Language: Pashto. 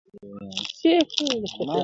شالمار به په زلمیو هوسېږي!.